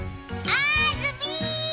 あずみ！